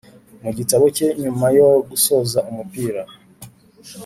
mu gitabo cye nyuma yo gusoza umupira,